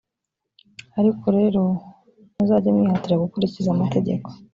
ariko rero muzajye mwihatira gukurikiza amategeko